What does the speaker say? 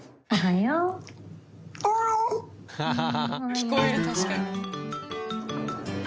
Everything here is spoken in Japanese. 聞こえる確かに。